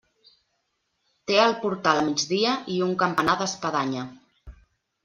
Té el portal a migdia i un campanar d'espadanya.